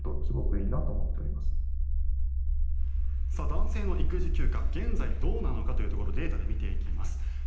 男性の育児休暇現在どうなのかというところをデータで見ていきます。